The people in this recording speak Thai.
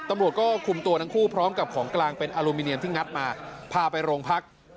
ตำรวจก็คุมตัวทั้งคู่พร้อมกับของกลางเป็นอลูมิเนียมที่งัดมาพาไปโรงพัก